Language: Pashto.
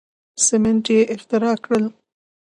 سیمنټ یې اختراع کړل.